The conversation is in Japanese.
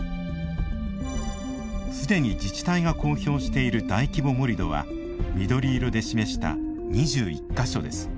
すでに自治体が公表している大規模盛土は緑色で示した２１か所です。